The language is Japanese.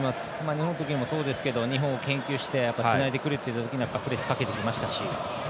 日本との試合でもそうでしたが日本を研究してつないでくるという時にはプレスをかけてきましたし。